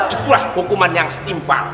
itulah hukuman yang setimpal